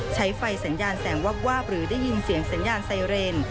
ใช้ไฟสัญญาณแสงวาบหรือได้ยินเสียงสัญญาณไซเรน